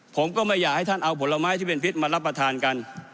ผมก็ไม่อยากให้ท่านเอาผลไม้ที่เป็นพิษมารับประทานกัน